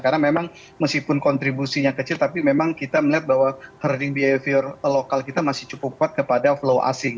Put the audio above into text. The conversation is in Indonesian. karena memang meskipun kontribusinya kecil tapi memang kita melihat bahwa herding behavior lokal kita masih cukup kuat kepada flow asing